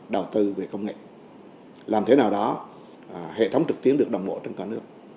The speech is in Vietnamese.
đầu tư về công nghệ làm thế nào đó hệ thống trực tiến được đồng bộ trên cả nước